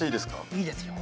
いいですよ。